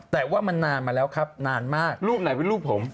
แต่ว่ามันนานมาแล้วครับนานมากรูปไหนเป็นรูปผม